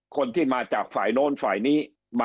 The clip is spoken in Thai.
คนที่มาจากฝ่ายโน้นฝ่ายนี้